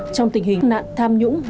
trong tình hình nạn tham nhũng hoành hạ